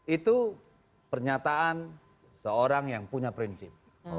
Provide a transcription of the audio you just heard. itu pernyataan seorang yang punya prinsip